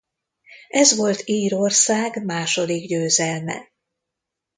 Ez volt Írország második győzelme.